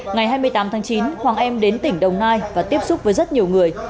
ngày hai mươi tám tháng chín hoàng em đến tỉnh đồng nai và tiếp xúc với rất nhiều người